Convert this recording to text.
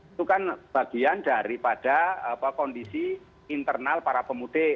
itu kan bagian daripada kondisi internal para pemudik